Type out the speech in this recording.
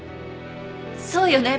そうよね？